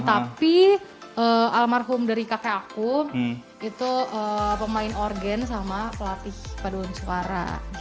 tapi almarhum dari kakek aku itu pemain organ sama pelatih paduan suara